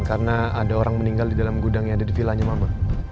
karena ada orang meninggal di dalam gudang yang ada di vilanya mama